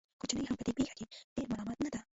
خو چینی هم په دې پېښه کې ډېر ملامت نه دی.